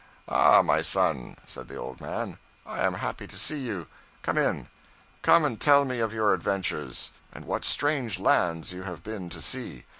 'Ah, my son,' said the old man, 'I am happy to see you. Come in. Come and tell me of your adventures, and what strange lands you have been to see.